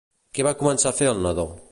Què va començar a fer el nadó?